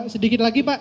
sedikit lagi pak